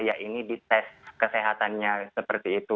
yaitu di tes kesehatannya seperti itu